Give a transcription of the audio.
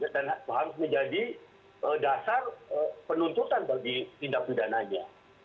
dan harus menjadi dasar penuntutan bagi tindak pidananya